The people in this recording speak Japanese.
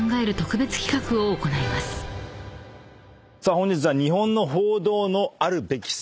本日は日本の報道のあるべき姿。